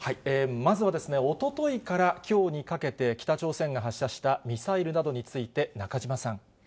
まずはですね、おとといからきょうにかけて、北朝鮮が発射したミサイルなどについて、中島さん。